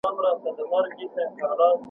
د کمزوري عاقبت `